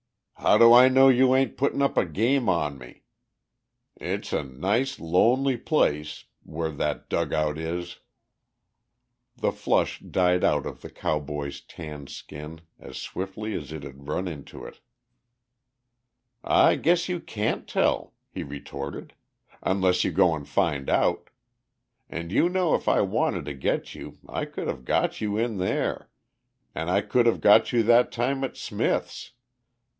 "How do I know you ain't puttin' up a game on me? It's a nice lonely place, where that dugout is." The flush died out of the cowboy's tanned skin as swiftly as it had run into it. "I guess you can't tell," he retorted. "Unless you go and find out. And you know if I wanted to get you I could have got you in there, and I could have got you that time at Smith's.